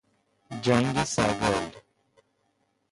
جنگ سگال